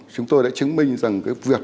chúng tôi đã chứng minh rằng cái việc